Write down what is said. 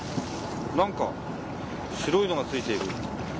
なんか白いのがついている。